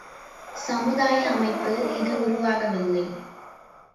சமுதாய அமைப்பு இது உருவாகவில்லை!